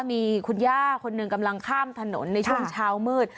มีคุณย่าคนหนึ่งกำลังข้ามถนนในช่วงเช้ามืด